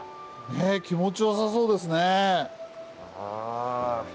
ねえ気持ちよさそうですねえ。